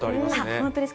本当ですか。